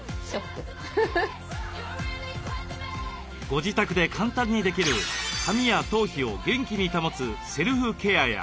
ご自宅で簡単にできる髪や頭皮を元気に保つセルフケアや。